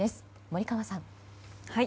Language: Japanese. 森川さん。